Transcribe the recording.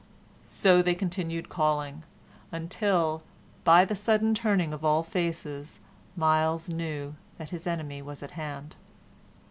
So they continued calling, until, by the sudden turning of all faces, Myles knew that his enemy was at hand.